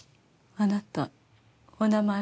あなたお名前は？